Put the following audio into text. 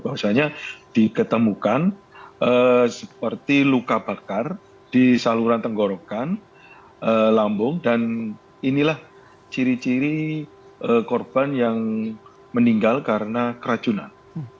bahwasannya diketemukan seperti luka bakar di saluran tenggorokan lambung dan inilah ciri ciri korban yang meninggal karena keracunan